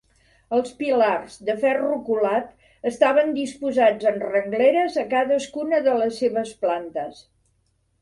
Els pilars, de ferro colat, estaven disposats en rengleres a cadascuna de les seves plantes.